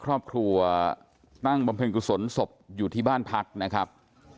ครอบครัวตั้งบำเพ็ญกุศลศพอยู่ที่บ้านพักนะครับ